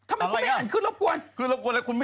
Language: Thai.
อะไรน่ะคลื่นรบกวนแล้วคุณ